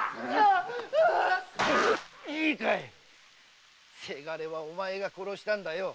〔いいかいせがれはお前が殺したんだよ〕